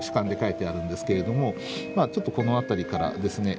ちょっとこの辺りからですね。